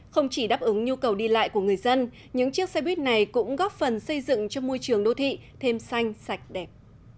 không chỉ đáp ứng nhu cầu đi lại của người dân những chiếc xe buýt này cũng góp phần xây dựng cho môi trường đô thị thêm xanh sạch đẹp